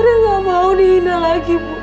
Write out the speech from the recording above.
rin gak mau dihina lagi bu